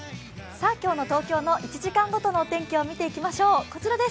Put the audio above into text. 今日の東京の１時間ごとのお天気を見ていきましょう。